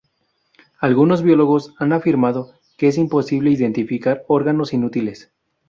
Algunos biólogos han afirmado que es imposible identificar órganos inútiles.